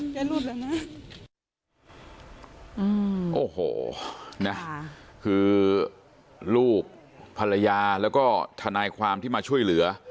จะหลุดแล้วนะอืมโอ้โหนะคือลูกภรรยาแล้วก็ทนายความที่มาช่วยเหลือ